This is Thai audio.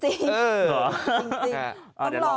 จริงต้องลอง